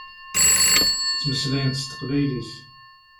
Ttmeslayent s teqbaylit.